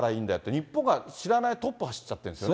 日本が知らない間にトップ走っちゃってるんですよね。